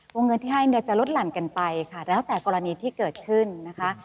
เงินที่ให้เนี่ยจะลดหลั่นกันไปค่ะแล้วแต่กรณีที่เกิดขึ้นนะคะ